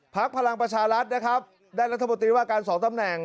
พลังประชารัฐนะครับได้รัฐมนตรีว่าการสองตำแหน่ง